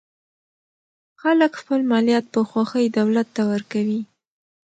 خلک خپل مالیات په خوښۍ دولت ته ورکوي.